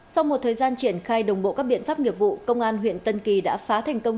sau một thời gian triển khai đồng bộ các biện pháp nghiệp vụ công an huyện tân kỳ đã phá thành công